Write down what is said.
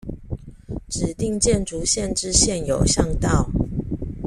指定建築線之現有巷道